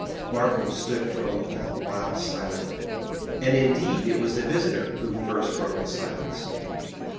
Markheim stood for a long while silent, and indeed it was the visitor who first broke the silence.